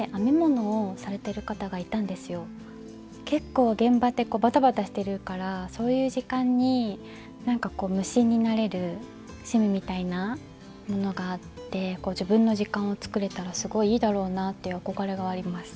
結構現場ってバタバタしてるからそういう時間になんかこう無心になれる趣味みたいなものがあって自分の時間を作れたらすごいいいだろうなっていう憧れがあります。